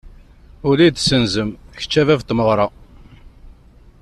Ula i d-senzem, kečč a bab n tmeɣra.